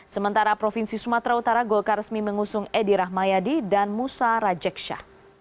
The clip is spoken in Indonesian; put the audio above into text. sementara provinsi sumatera utara golkar resmi mengusung edi rahmayadi dan musa rajeksya